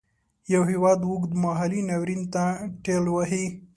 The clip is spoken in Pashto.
یو هیواد اوږد مهالي ناورین ته ټېل وهي.